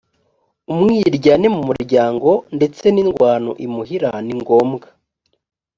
umwiryane mu muryango ndetse n indwano imuhira ni ngombwa